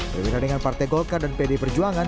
berbeda dengan partai golkar dan pd perjuangan